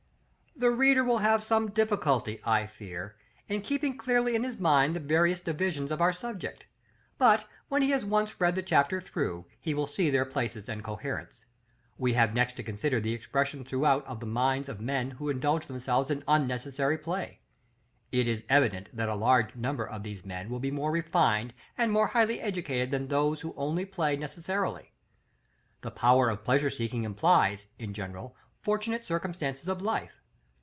The reader will have some difficulty, I fear, in keeping clearly in his mind the various divisions of our subject; but, when he has once read the chapter through, he will see their places and coherence. We have next to consider the expression throughout of the minds of men who indulge themselves in unnecessary play. It is evident that a large number of these men will be more refined and more highly educated than those who only play necessarily; the power of pleasure seeking implies, in general, fortunate circumstances of life.